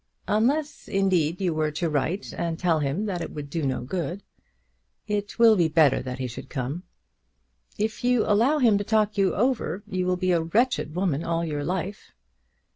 "Unless, indeed, you were to write and tell him that it would do no good." "It will be better that he should come." "If you allow him to talk you over you will be a wretched woman all your life."